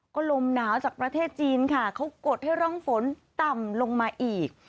ก็ลมหนาวจากประเทศจีนค่ะเขากดให้ร่องฝนต่ำลงมาอีก